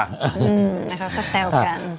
อืมแล้วเขาก็แซวกัน